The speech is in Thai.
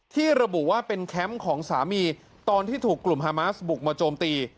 ระบุว่าเป็นแคมป์ของสามีตอนที่ถูกกลุ่มฮามาสบุกมาโจมตี